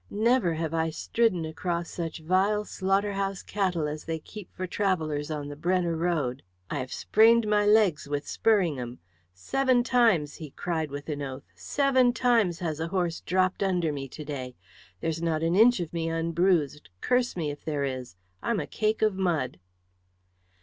Never have I stridden across such vile slaughter house cattle as they keep for travellers on the Brenner road. I have sprained my legs with spurring 'em. Seven times," he cried with an oath, "seven times has a horse dropped under me to day. There's not an inch of me unbruised, curse me if there is! I'm a cake of mud."